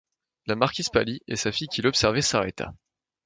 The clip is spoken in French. La marquise pâlit, et sa fille, qui l’observait, s’arrêta.